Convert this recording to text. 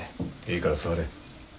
いいから座れ。